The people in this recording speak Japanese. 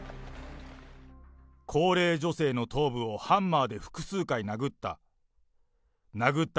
高齢女性の頭部をハンマーで複数回殴った。